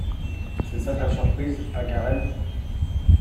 C’est ça ta surprise Pacarel .